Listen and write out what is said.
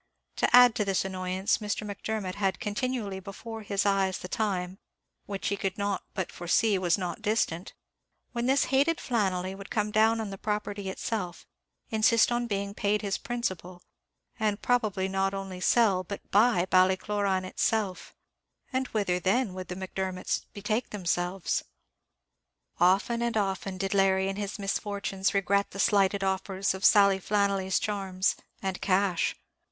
To add to this annoyance, Mr. Macdermot had continually before his eyes the time, which he could not but foresee was not distant, when this hated Flannelly would come down on the property itself, insist on being paid his principal, and probably not only sell, but buy, Ballycloran itself. And whither, then, would the Macdermots betake themselves? Often and often did Larry, in his misfortunes, regret the slighted offers of Sally Flannelly's charms and cash.